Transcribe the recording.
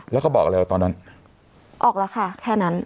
แล้วเขาบอกอะไรตอนนั้นออกแล้วค่ะแค่นั้น